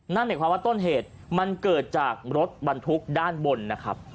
นั่นหมายความว่าต้นเหตุมันเกิดจากรถบรรทุกด้านบนนะครับ